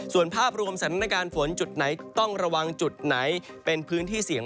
ส่วนภาพรวมสถานการณ์ฝนจุดไหนต้องระวังจุดไหนเป็นพื้นที่เสี่ยง